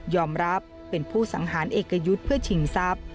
รับเป็นผู้สังหารเอกยุทธ์เพื่อชิงทรัพย์